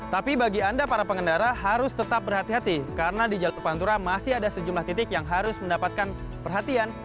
tapi bagi anda para pengendara harus tetap berhati hati karena di jalur pantura masih ada sejumlah titik yang harus mendapatkan perhatian